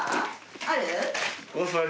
ある？